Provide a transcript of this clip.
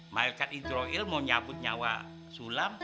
marikat idroil mau nyabut nyawa sulam